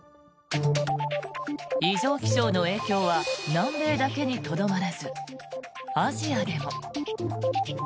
異常気象の影響は南米だけにとどまらずアジアでも。